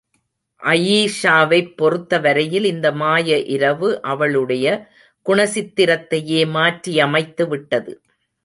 அயீஷாவைப் பொறுத்த வரையில் இந்த மாய இரவு, அவளுடைய குணசித்திரத்தையே மாற்றியமைத்து விட்டது.